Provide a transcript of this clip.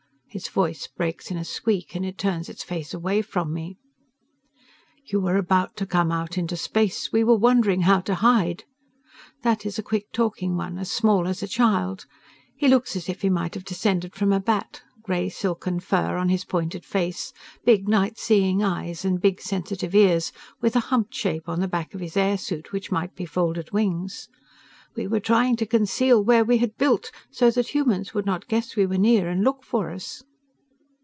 Its voice breaks in a squeak and it turns its face away from me. "You were about to come out into space. We were wondering how to hide!" That is a quick talking one, as small as a child. He looks as if he might have descended from a bat gray silken fur on his pointed face, big night seeing eyes, and big sensitive ears, with a humped shape on the back of his air suit which might be folded wings. "We were trying to conceal where we had built, so that humans would not guess we were near and look for us."